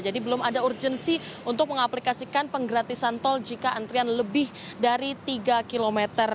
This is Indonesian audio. jadi belum ada urgensi untuk mengaplikasikan penggratisan tol jika antrian lebih dari tiga km